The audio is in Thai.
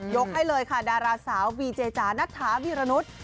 ให้เลยค่ะดาราสาววีเจจานัทธาวีรนุษย์